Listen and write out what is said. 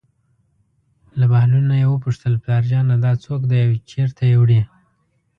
له بهلول نه یې وپوښتل: پلارجانه دا څوک دی او چېرته یې وړي.